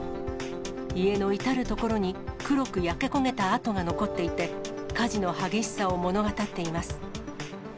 家の至る所に黒く焼け焦げた跡が残っていて、火事の激しさを物語っています。